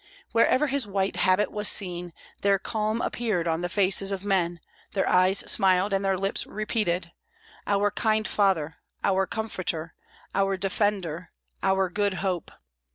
Wherever his white habit was seen, there calm appeared on the faces of men, their eyes smiled, and their lips repeated: "Our kind father, our comforter, our defender, our good hope."